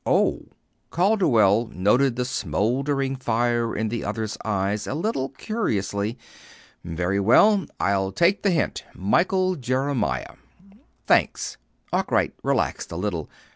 "Oh!" Calderwell noted the smouldering fire in the other's eyes a little curiously. "Very well. I'll take the hint Michael Jeremiah." "Thanks." Arkwright relaxed a little.